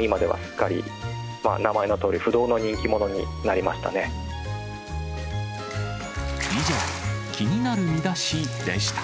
今ではすっかり、名前のとお以上、気になるミダシでした。